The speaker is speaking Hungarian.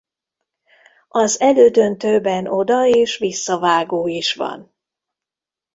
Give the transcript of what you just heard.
Az elődöntőben oda- és visszavágó is van.